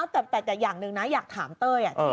แต่อย่างหนึ่งนะอยากถามเต้ย